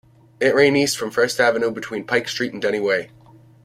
It ran east from First Avenue between Pike Street and Denny Way.